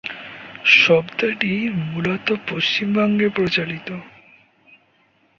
শব্দটি মূলত পশ্চিমবঙ্গে প্রচলিত।